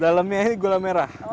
dalemnya ini gula merah